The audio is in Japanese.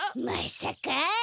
まさか。